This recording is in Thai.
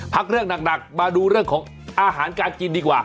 พักเรื่องหนักมาดูเรื่องของอาหารการกินดีกว่า